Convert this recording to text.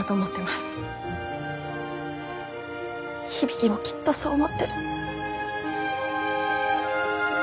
響もきっとそう思ってる。